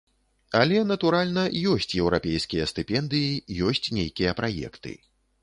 Але, натуральна, ёсць еўрапейскія стыпендыі, ёсць нейкія праекты.